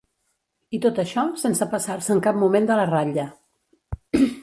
I tot això, sense passar-se en cap moment de la ratlla.